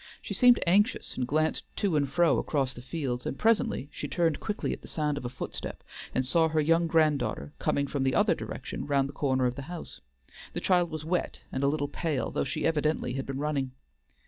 She seemed anxious and glanced to and fro across the fields, and presently she turned quickly at the sound of a footstep, and saw her young grand daughter coming from the other direction round the corner of the house. The child was wet and a little pale, though she evidently had been running.